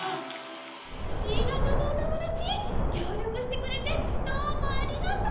新潟のおともだちきょうりょくしてくれてどうもありがとう！